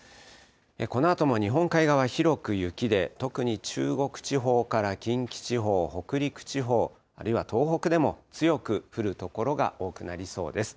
このあとも日本海側、広く雪で、特に中国地方から近畿地方、北陸地方、あるいは東北でも強く降る所が多くなりそうです。